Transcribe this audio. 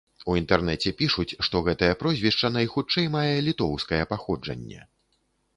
У інтэрнэце пішуць, што гэтае прозвішча, найхутчэй, мае літоўскае паходжанне.